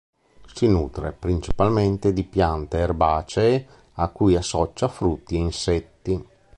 Si nutre principalmente di piante erbacee a cui associa frutti e insetti.